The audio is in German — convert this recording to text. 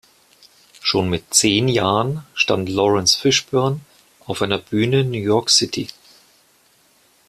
Schon mit zehn Jahren stand Laurence Fishburne auf einer Bühne in New York City.